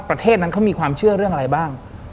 ประเทศนั้นเขามีความเชื่อเรื่องอะไรบ้าง